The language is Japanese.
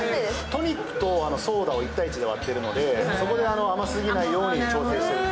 トニックとソーダか１対１で割ってるのでそこで甘過ぎないように調整している。